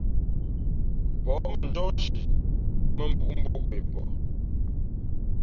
Pα̌h mαnjɔ́h nshi mᾱmbūꞌ mbō nkwe pαh.